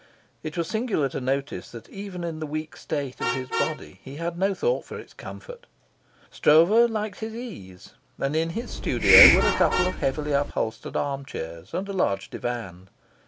It was singular to notice that even in the weak state of his body he had no thought for its comfort. Stroeve liked his ease, and in his studio were a couple of heavily upholstered arm chairs and a large divan.